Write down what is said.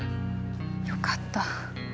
よかった。